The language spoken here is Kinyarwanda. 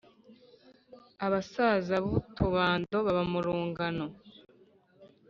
abasaza b’utubando baba mu rungano